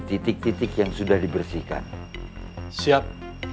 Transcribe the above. titik titik yang sudah dibersihkan siap